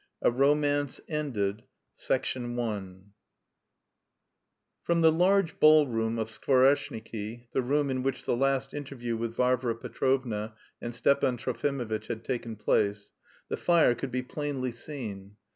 A ROMANCE ENDED I FROM THE LARGE BALLROOM of Skvoreshniki (the room in which the last interview with Varvara Petrovna and Stepan Trofimovitch had taken place) the fire could be plainly seen.